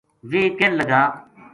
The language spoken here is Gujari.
ویہ کہن لگا